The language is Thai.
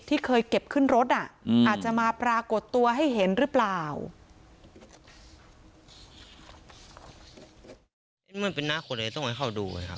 เคยเก็บขึ้นรถอ่ะอาจจะมาปรากฏตัวให้เห็นหรือเปล่า